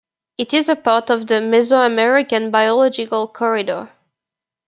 It is a part of the Mesoamerican Biological Corridor.